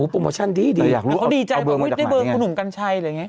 โอ้โหโปรโมชั่นดีดีเขาดีใจว่าเฮ้ยได้เบอร์ของหนุ่มกันชัยอะไรอย่างเงี้ย